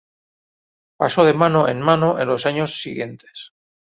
Pasó de mano en mano en los años siguientes.